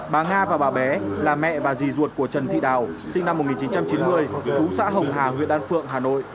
bà nga và bà bé là mẹ và rì ruột của trần thị đào sinh năm một nghìn chín trăm chín mươi chú xã hồng hà huyện đan phượng hà nội